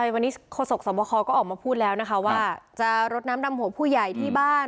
วันนี้โฆษกสวบคอก็ออกมาพูดแล้วนะคะว่าจะรดน้ำดำหัวผู้ใหญ่ที่บ้าน